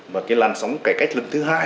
và cái làn sóng cải cách lần thứ hai